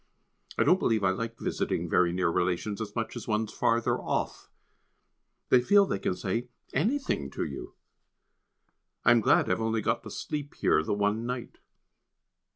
I don't believe I like visiting very near relations as much as ones further off. They feel they can say anything to you. I am glad I have only got to sleep here the one night.